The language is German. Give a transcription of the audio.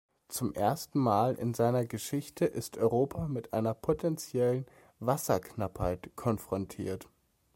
Zum ersten Mal in seiner Geschichte ist Europa mit einer potenziellen Wasserknappheit konfrontiert.